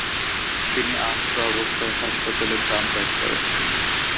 তিনি আহত অবস্থায় হাসপাতালে প্রাণ ত্যাগ করেন।